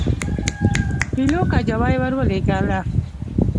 پیلو کجاوه یې ورولېږله.